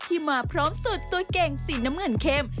ที่มาพร้อมสุดตัวเก่งสีน้ำเหลืองเข้ม